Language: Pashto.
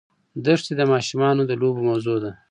دښتې د ماشومانو د لوبو موضوع ده.